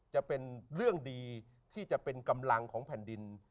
จะเป็นเรื่องดีที่จะเป็นกำลังของแผ่นดิน